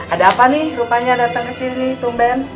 ada apa nih rupanya datang kesini tumben